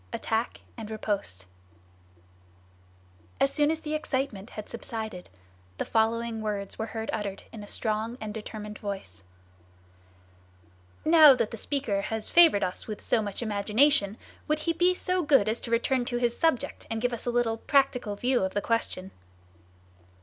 ATTACK AND RIPOSTE As soon as the excitement had subsided, the following words were heard uttered in a strong and determined voice: "Now that the speaker has favored us with so much imagination, would he be so good as to return to his subject, and give us a little practical view of the question?"